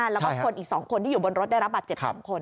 แล้วก็คนอีก๒คนที่อยู่บนรถได้รับบาดเจ็บ๒คน